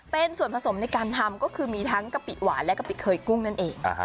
เป็นส่วนผสมในการทำก็คือมีทั้งกะปิหวานและกะปิเคยกุ้งนั่นเอง